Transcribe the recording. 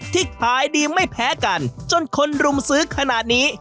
ที่ขายดีไม่แพ้กันจนคนรุมซื้อขนาดนี้